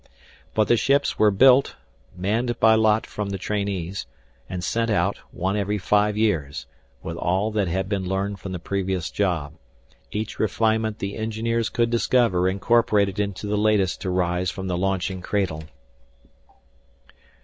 But the ships were built, manned by lot from the trainees, and sent out, one every five years, with all that had been learned from the previous job, each refinement the engineers could discover incorporated into the latest to rise from the launching cradle.